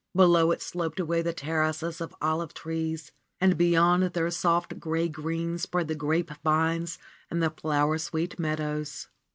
Below it sloped away the terraces of olive trees and beyond their soft gray green spread the grape vines and the flower sweet meadows.